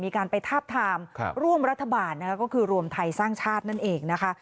มีการไปทาบทามร่วมรัฐบาลนะคะก็คือรวมไทยสร้างชาตินั่นเองนะคะ